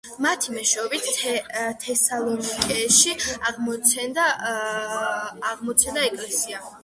მათი მეშვეობით თესალონიკეში აღმოცენდა ეკლესია.